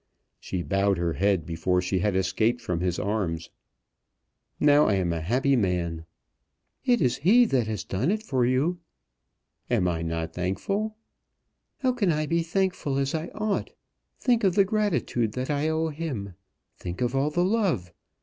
She bowed her head before she had escaped from his arms. "Now I am a happy man." "It is he that has done it for you." "Am I not thankful?" "How can I be thankful as I ought? Think of the gratitude that I owe him, think of all the love!